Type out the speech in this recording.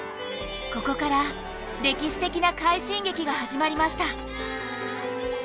ここから歴史的な快進撃が始まりました。